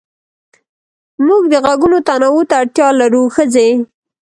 موږ د غږونو تنوع ته اړتيا لرو ښځې